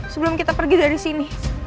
sebelum kita pergi dari sini